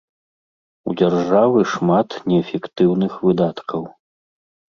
У дзяржавы шмат неэфектыўных выдаткаў.